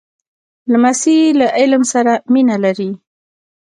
لمسی له علم سره مینه لري.